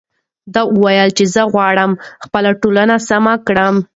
دې وویل چې زه غواړم خپله ټولنه سمه کړم.